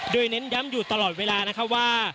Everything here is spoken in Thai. โดยเน้นย้ำอยู่ตลอดเวลานะคะว่า